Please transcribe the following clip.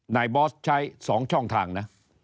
บอสใช้๒ช่องทางนะ